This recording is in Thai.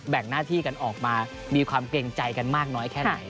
งหน้าที่กันออกมามีความเกรงใจกันมากน้อยแค่ไหน